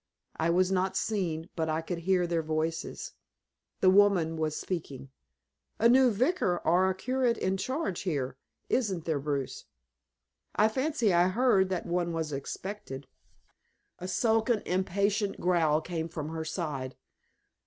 I was not seen, but I could hear their voices. The woman was speaking. "A new vicar, or curate in charge, here, isn't there, Bruce? I fancy I heard that one was expected." A sullen, impatient growl came from her side.